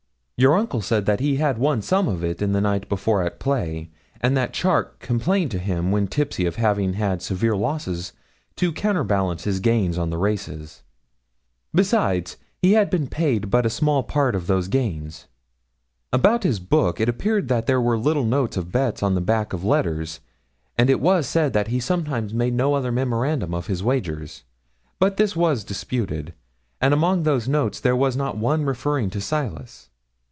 Your uncle said that he had won some of it the night before at play, and that Charke complained to him when tipsy of having had severe losses to counterbalance his gains on the races. Besides, he had been paid but a small part of those gains. About his book it appeared that there were little notes of bets on the backs of letters, and it was said that he sometimes made no other memorandum of his wagers but this was disputed and among those notes there was not one referring to Silas.